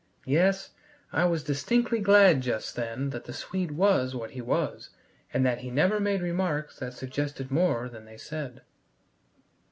Yes, I was distinctly glad just then that the Swede was what he was, and that he never made remarks that suggested more than they said.